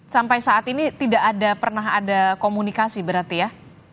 sampai saat ini tidak ada pernah ada komunikasi berarti ya